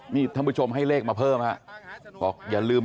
นี่ท่านผู้ชมให้เลขมาเพิ่มฮะบอกอย่าลืม